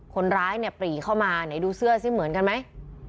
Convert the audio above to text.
คนร้ายเนี่ยปรีเข้ามาไหนดูเสื้อสิเหมือนกันไหม